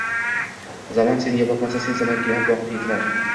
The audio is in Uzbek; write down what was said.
— Zamon senga boqmasa, sen zamonga boq, deydilar.